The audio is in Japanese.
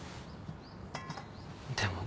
でも。